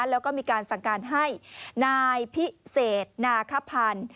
แล้วก็มีการสั่งการให้นายพิเศษนาคพันธ์